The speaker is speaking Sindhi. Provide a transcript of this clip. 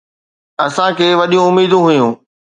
اسان کي وڏيون اميدون هيون